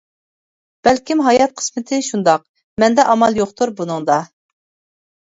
بەلكىم ھايات قىسمىتى شۇنداق، مەندە ئامال يوقتۇر بۇنىڭدا.